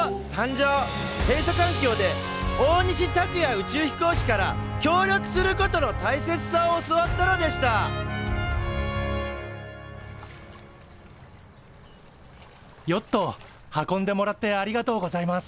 へいさかんきょうで大西卓哉宇宙飛行士から協力することの大切さを教わったのでしたヨット運んでもらってありがとうございます。